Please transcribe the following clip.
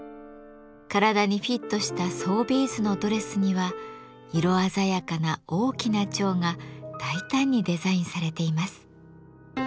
体にフィットした総ビーズのドレスには色鮮やかな大きな蝶が大胆にデザインされています。